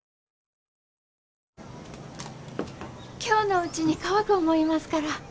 今日のうちに乾く思いますから。